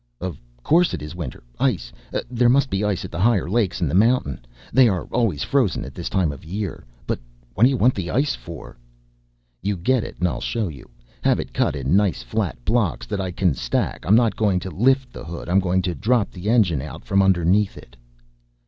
"Of course it is winter. Ice, there must be ice at the higher lakes in the mountain, they are always frozen at this time of the year. But what do you want ice for?" "You get it and I'll show you. Have it cut in nice flat blocks that I can stack. I'm not going to lift the hood I'm going to drop the engine out from underneath it!"